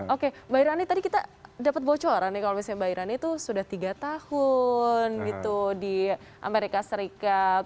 oke mbak irani tadi kita dapat bocoran nih kalau misalnya mbak irani itu sudah tiga tahun gitu di amerika serikat